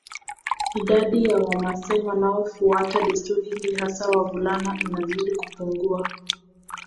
Idadi ya Wamasai wanaofuata desturi hii hasa wavulana inazidi kupungua